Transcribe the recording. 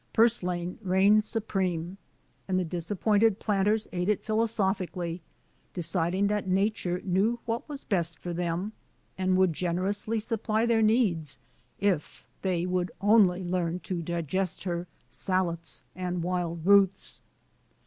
Purslane reigned supreme, and the disappointed planters ate it philosophically, deciding that Nature knew what was best for them, and would generously supply their needs, if they could only learn to digest her "sallets" and wild roots.